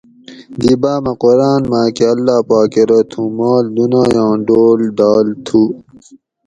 دی باۤمہ قران ماکہ اللّٰہ پاک ارو تھوں مال دُنایاں ڈول ڈال تھو